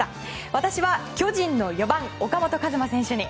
私は巨人の４番岡本和真選手に。